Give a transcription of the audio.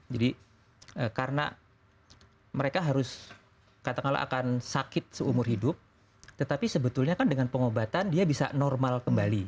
jadi karena mereka harus katakanlah akan sakit seumur hidup tetapi sebetulnya kan dengan pengobatan dia bisa normal kembali